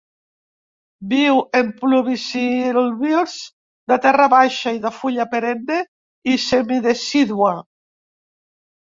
Viu en pluviïsilves de terra baixa i de fulla perenne i semidecídua.